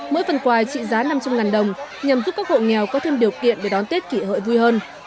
mỗi phần quà trị giá năm trăm linh đồng nhằm giúp các hộ nghèo có thêm điều kiện để đón tết kỷ hợi vui hơn